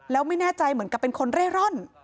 แล้วไม่แน่ใจเหมือนกับเป็นคนเร่ร่อน